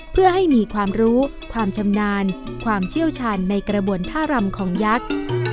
เพื่อให้มีความรู้ความชำนาญความเชี่ยวชาญในกระบวนท่ารำของยักษ์